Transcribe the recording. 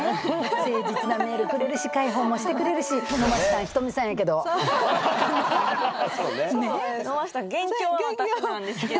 誠実なメールくれるし介抱もしてくれるし飲ませた元凶は私なんですけど。